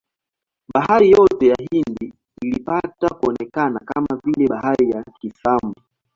Bahari yote ya Hindi ilipata kuonekana kama vile bahari ya Kiislamu.